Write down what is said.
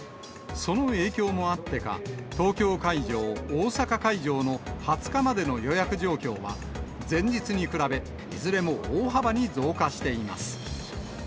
その影響もあってか、東京会場、大阪会場の２０日までの予約状況は、前日に比べいずれも大幅に増加しています。